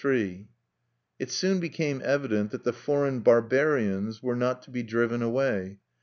III It soon became evident that the foreign "barbarians" were not to be driven away.